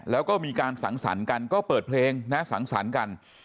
แล้วก็มีการสังสรรค์กันก็เปิดเพลงนะสังสรรค์กัน